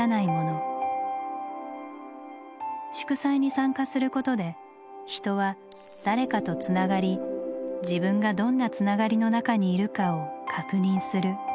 祝祭に参加することで人は「誰か」とつながり自分がどんなつながりの中にいるかを確認する。